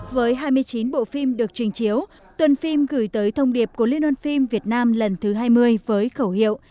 với hai mươi chín bộ phim được trình chiếu tuần phim gửi tới thông điệp của liên hoan phim việt nam lần thứ hai mươi với khẩu hiệu